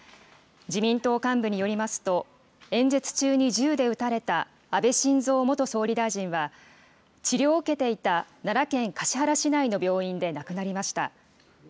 自民党幹部によりますと、演説中に銃で撃たれた安倍晋三元総理大臣は、治療を受けていた奈良県橿原市内の病院で亡くなりました。